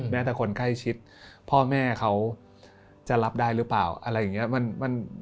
แม้แต่คนใกล้ชิดพ่อแม่เขาจะรับได้หรือเปล่า